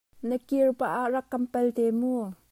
Na kiar pah ah rak kan pal pah te mu.